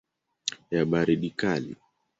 ya baridi kali.